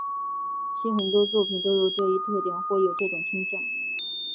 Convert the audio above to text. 其很多作品都有这一特点或有这种倾向。